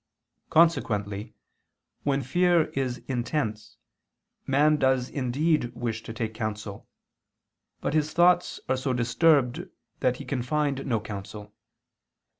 Consequently, when fear is intense, man does indeed wish to take counsel, but his thoughts are so disturbed, that he can find no counsel.